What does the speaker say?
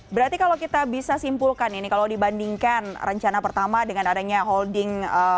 berarti kalau kita bisa simpulkan ini kalau dibandingkan rencana pertama dengan adanya holding